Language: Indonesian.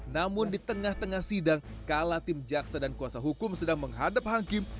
namun di tengah tengah sidang kala tim jaksa dan kuasa hukum sedang menghadap hakim